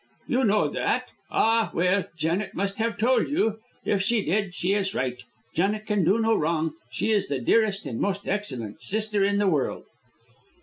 "You know that? Ah, well, Janet must have told you. If she did, she is right. Janet can do no wrong. She is the dearest and most excellent sister in the world."